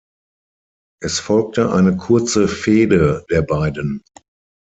Es folgte eine kurze Fehde der beiden.